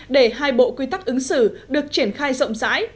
để hai bộ quy tắc ứng xử được triển khai rộng rãi